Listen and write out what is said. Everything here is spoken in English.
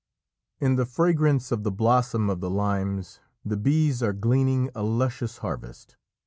In the fragrance of the blossom of the limes the bees are gleaning a luscious harvest.